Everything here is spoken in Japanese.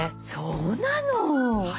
そうなの！